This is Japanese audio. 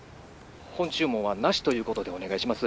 本注文はなしということでお願いします。